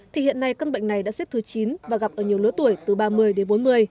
thì hiện nay căn bệnh này đã xếp thứ chín và gặp ở nhiều lứa tuổi từ ba mươi đến bốn mươi